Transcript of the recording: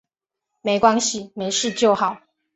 没关系，没事就好